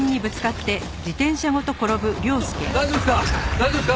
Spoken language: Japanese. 大丈夫ですか！？